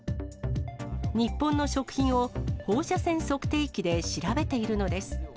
日本の食品を放射線測定器で調べているのです。